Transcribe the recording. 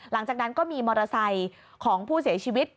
หลังจากนั้นก็มีมอเตอร์ไซค์ของผู้เสียชีวิต